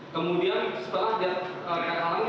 kemudian setelah dia terhalangi